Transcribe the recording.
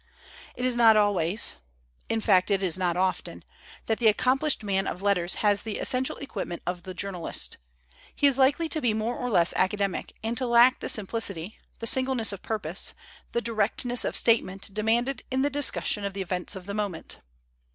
233 THEODORE ROOSEVELT AS A MAN OF LETTERS It is not always in fact it is not often that the accomplished man of letters has the essen tial equipment of the journalist; he is likely to be more or less "academic" and to lack the sim plicity, the singleness of purpose, the directness of statement demanded in the discussion of the events of the moment.